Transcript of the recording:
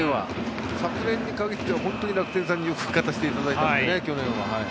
昨年に限っては本当に楽天さんに勝たせていただいたのでね。